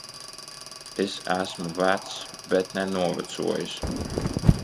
Es esmu vecs. Bet ne novecojis.